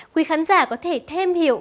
quý khán giả có thể thêm hiểu